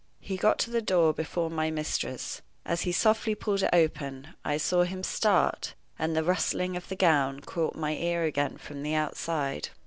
He got to the door before my mistress. As he softly pulled it open, I saw him start, and the rustling of the gown caught my ear again from the outside.